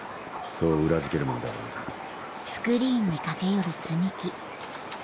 そう裏付けるものではありませんか？